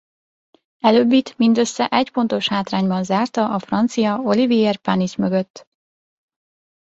Előbbit mindössze egy pontos hátrányban zárta a francia Olivier Panis mögött.